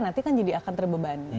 nanti kan jadi akan terbebani